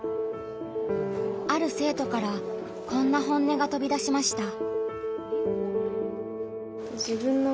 ある生徒からこんな本音が飛び出しました。